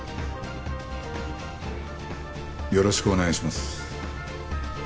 よろしくお願いします。